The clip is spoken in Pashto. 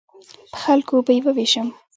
په خلکو به یې ووېشم.